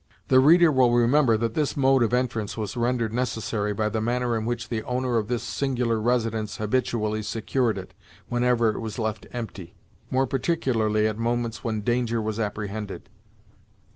The reader will remember that this mode of entrance was rendered necessary by the manner in which the owner of this singular residence habitually secured it, whenever it was left empty; more particularly at moments when danger was apprehended.